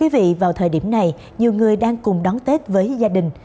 vào thời điểm này nhiều người đang cùng đón tết với gia đình